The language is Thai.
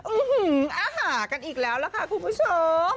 อื้อหืออาหากันอีกแล้วละค่ะคุณผู้ชม